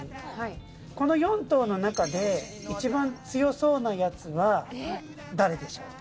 この４頭の中で一番強そうな奴は誰でしょう？